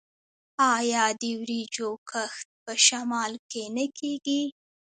آیا د وریجو کښت په شمال کې نه کیږي؟